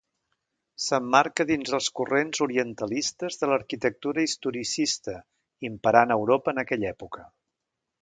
S'emmarca dins els corrents orientalistes de l'arquitectura historicista, imperant a Europa en aquella època.